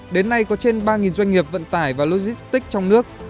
đến nay có trên ba doanh nghiệp vận tải và logistics trong nước